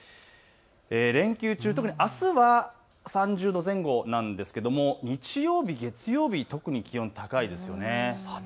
連休中、特にあすは３０度前後なんですけれど日曜日、月曜日、特に気温、高いですね。